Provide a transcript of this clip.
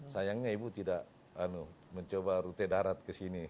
sayangnya ibu tidak mencoba rute darat ke sini